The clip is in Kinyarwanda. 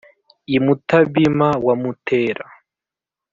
i mutabima wa mutera